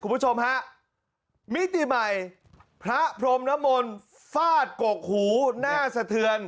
คุณผู้ชมฮะมิติใหม่พระพรมนมลฟาดกกหูน่าสะเทือน